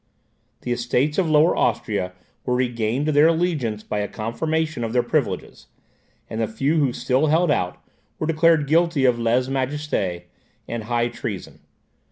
The Estates of Lower Austria were regained to their allegiance by a confirmation of their privileges; and the few who still held out were declared guilty of `lese majeste' and high treason.